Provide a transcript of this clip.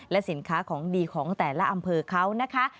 และสินค้าของดีของแต่ละอำเภอเขานะคะ